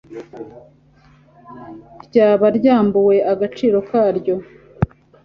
ryaba ryambuwe agaciro karyo